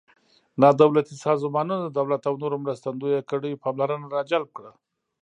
نا دولتي سازمانونو د دولت او نورو مرستندویه کړیو پاملرنه را جلب کړه.